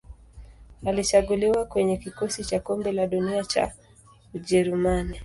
Alichaguliwa kwenye kikosi cha Kombe la Dunia cha Ujerumani.